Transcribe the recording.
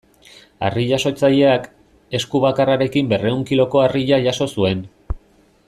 Harri-jasotzaileak, esku bakarrarekin berrehun kiloko harria jaso zuen.